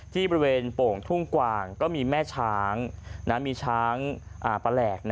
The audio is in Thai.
ที่บริเวณโป่งทุ่งกวางก็มีแม่ช้างมีช้างประแหลก